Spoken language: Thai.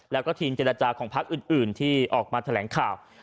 แล้วก็ทีมเจรจาของพักอื่นที่ออกมาแถลงข่าว